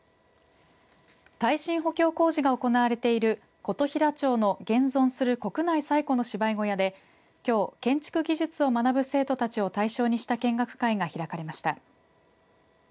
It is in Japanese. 耐震補強工事が行われている琴平町の現存する国内最古の芝居小屋できょう、建築技術を学ぶ生徒たちを対象にした見学会が開かれました。